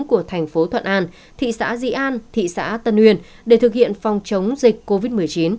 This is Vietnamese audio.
của thành phố thuận an thị xã di an thị xã tân uyên để thực hiện phòng chống dịch covid một mươi chín